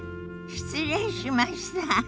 失礼しました。